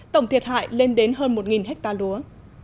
tổng thiệt hại lên đến hơn một ha lúa